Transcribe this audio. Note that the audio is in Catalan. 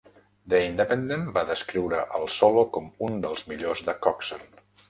"The Independent" va descriure el solo com "un dels millors de Coxon".